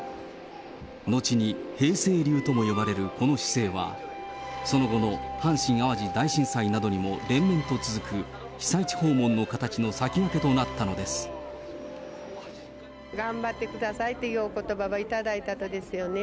後に平成流とも呼ばれるこの姿勢は、その後の阪神・淡路大震災などにも連綿と続く被災地訪問の形の先頑張ってくださいっていうおことばを頂いたとですよね。